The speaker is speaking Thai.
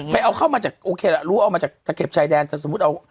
ไปเอาเข้ามาจากโอเคล่ะรู้เอามาจากตะเข็บชายแดนแต่สมมุติเอา